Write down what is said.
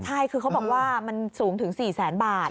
ใช่คือเขาบอกว่ามันสูงถึง๔แสนบาท